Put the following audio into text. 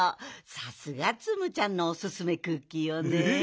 さすがツムちゃんのおすすめクッキーよね。